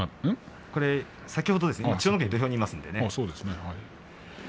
先ほどですね千代の国は今土俵にいますのでね。